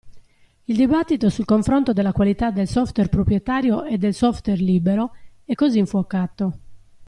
Il dibattito sul confronto della qualità del software proprietario e del software libero è così infuocato.